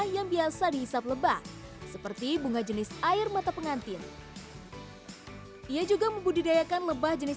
yang biasa dihisap lebah seperti bunga jenis air mata pengantin ia juga membudidayakan lebah jenis